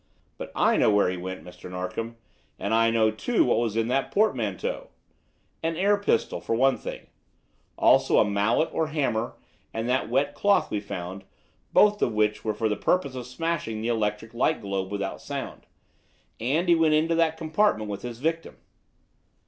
But I know where he went, Mr. Narkom, and I know, too, what was in that portmanteau. An air pistol, for one thing; also a mallet or hammer and that wet cloth we found, both of which were for the purpose of smashing the electric light globe without sound. And he went into that compartment with his victim!"